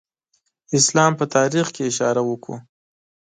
اسلام په تاریخ کې اشاره وکړو.